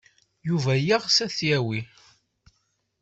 Yuba yeɣs ad t-yawi.